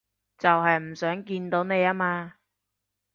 就係唔想見到你吖嘛